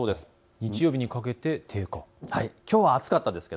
日曜日にかけてですね。